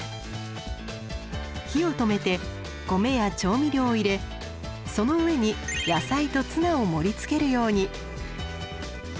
火を止めて米や調味料を入れその上に野菜とツナを盛りつけるように。